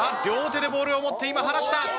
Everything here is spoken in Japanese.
両手でボールを持って今離した。